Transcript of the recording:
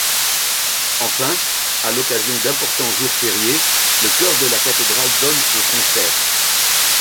Enfin, à l’occasion d’importants jours fériés, le chœur de la Cathédrale donne un concert.